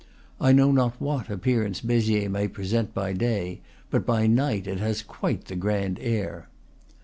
I know not what appearance Beziers may present by day; but by night it has quite the grand air.